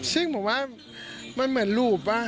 ซึ่งผมว่ามันเหมือนรูปป่ะ